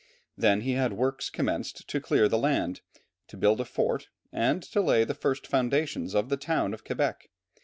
Then he had works commenced to clear the land, to build a fort, and to lay the first foundations of the town of Quebec.